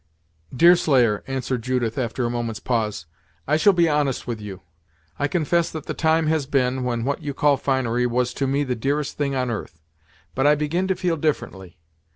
"Deerslayer," answered Judith, after a moment's pause, "I shall be honest with you. I confess that the time has been when what you call finery, was to me the dearest thing on earth; but I begin to feel differently.